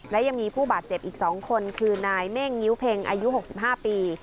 และยังมีผู้บาดเจ็บอีก๒คนคือนายเม่งงิ้วเพ็งอายุ๖๕ปี